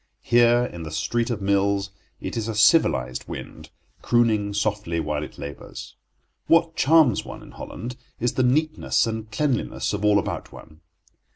Here, in the street of mills, it is a civilized wind, crooning softly while it labours. What charms one in Holland is the neatness and cleanliness of all about one.